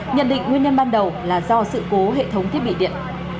nhận định nguyên nhân ban đầu là do sự cố hệ thống thiết bị điện